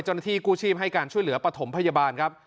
เจ้าหน้าที่กู้ชีพให้การช่วยเหลือปฐมพยาบาลครับ